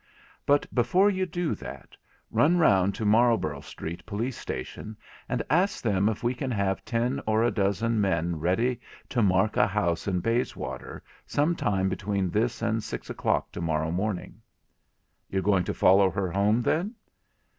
But before you do that, run round to Marlborough Street police station and ask them if we can have ten or a dozen men ready to mark a house in Bayswater some time between this and six o'clock to morrow morning.' 'You're going to follow her home then?'